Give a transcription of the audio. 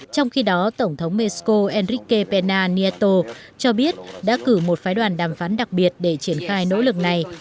trong khi đó tổng thống mexico enrike pena nietto cho biết đã cử một phái đoàn đàm phán đặc biệt để triển khai nỗ lực này